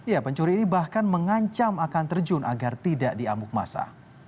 ya pencuri ini bahkan mengancam akan terjun agar tidak diamuk masa